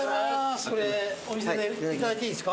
これお店でいただいていいですか？